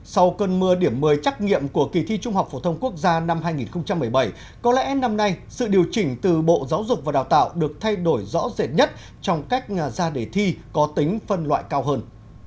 sau cơn mưa điểm một mươi trắc nghiệm của kỳ thi trung học phổ thông quốc gia năm hai nghìn một mươi bảy có lẽ năm nay sự điều chỉnh từ bộ giáo dục và đào tạo được thay đổi rõ rệt nhất trong cách ra đề thi có tính phân loại cao hơn